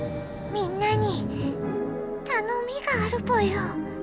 みんなにたのみがあるぽよ」。